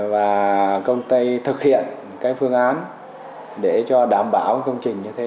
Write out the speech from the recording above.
và công ty thực hiện cái phương án để cho đảm bảo công trình như thế